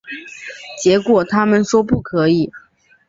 结果他们说不可以